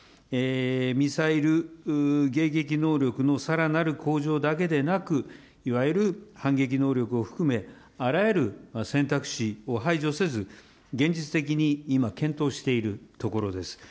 ミサイル迎撃能力のさらなる向上だけでなく、いわゆる反撃能力を含め、あらゆる選択肢を排除せず、現実的に今、検討しているところです。